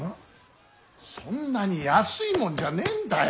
そんなに安いもんじゃねんだよ。